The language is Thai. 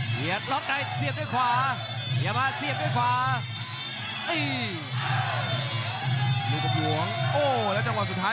เหยียดล้อมได้เสียบด้วยขวา